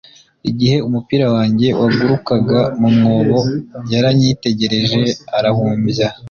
igihe umupira wanjye wagurukaga mu mwobo, yaranyitegereje arahumbya